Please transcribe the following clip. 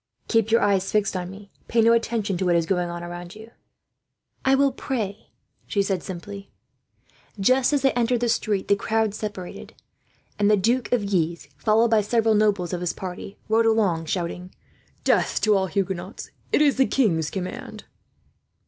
"Keep your eyes fixed on me. Pay no attention to what is going on around you." "I will pray," she said simply. Just as they entered the street the crowd separated, and the Duke of Guise, followed by several nobles of his party, rode along, shouting: "Death to all Huguenots! It is the king's command."